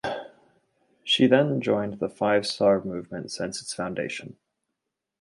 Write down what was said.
She then joined the Five Star Movement since its foundation.